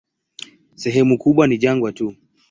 Sehemu kubwa ni jangwa tu.